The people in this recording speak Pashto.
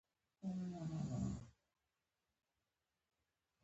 مځکه د څاڅکي اوبه هم قدر کوي.